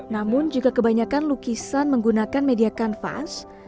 namun juga kebanyakan lukisan menggunakan media kanvas